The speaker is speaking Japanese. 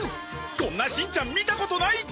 こんな『しんちゃん』見たことない！